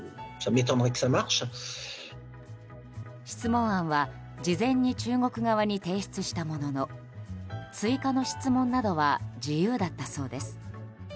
質問案は事前に中国側に提出したものの追加の質問などは自由だったそうです。